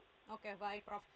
oke baik prof